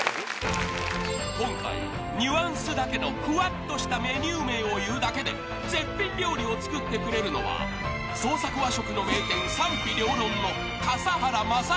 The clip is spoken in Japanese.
［今回ニュアンスだけのふわっとしたメニュー名を言うだけで絶品料理を作ってくれるのは創作和食の名店］